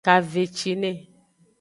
Kavecine.